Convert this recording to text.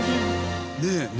ねえ。